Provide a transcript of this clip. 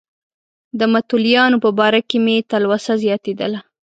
د متولیانو په باره کې مې تلوسه زیاتېدله.